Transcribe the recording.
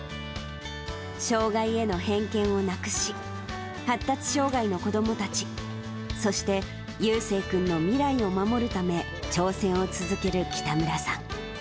障がいへの偏見をなくし、発達障がいの子どもたち、そして悠青君の未来を守るため、挑戦を続ける北村さん。